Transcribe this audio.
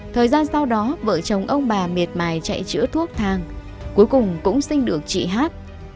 thời gian sau đó vợ chồng ông bà miệt mài chạy chữa thuốc thang cuối cùng cũng sinh được chị hát